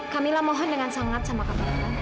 kamilah mohon dengan sangat sama kak fadil